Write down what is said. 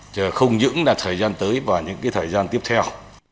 chờ không những là thời gian tới và những cái thời gian tiếp theo